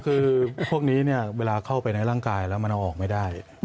คือพวกนี้เวลาเข้าไปในร่างกายแล้วมันเอาออกไม่ได้